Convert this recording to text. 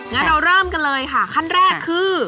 งั้นเราเริ่มกันเลยค่ะขั้นแรกคือ